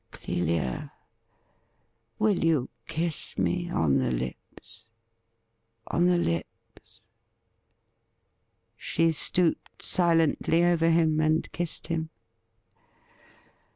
Clelia, will you kiss me on the lips — on the lips .''' She stooped silently over him and kissed him.